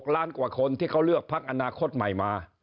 ล้านกว่าคนที่เขาเลือกพักอนาคตใหม่มา